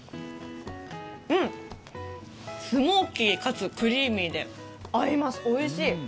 スモーキー、かつクリーミーで合います、おいしい。